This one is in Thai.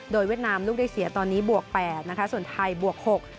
โดยเวียดนามลูกได้เสียตอนนี้บวกแปดนะคะส่วนไทยบวกหก